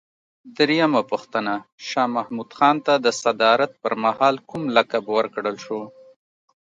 درېمه پوښتنه: شاه محمود خان ته د صدارت پر مهال کوم لقب ورکړل شو؟